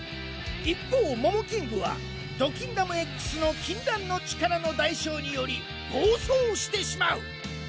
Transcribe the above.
一方モモキングはドキンダムＸの禁断の力の代償により暴走してしまう。